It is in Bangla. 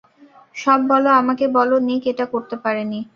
সব বলো আমাকে বলো নিক এটা করতে পারেনি।